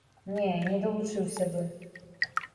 Не, не далучыўся бы.